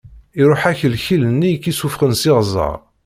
Iṛuḥ-ak lkil-nni i k-issufɣen s iɣzeṛ.